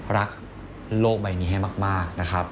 รักโลกใบนี้ให้มากนะครับ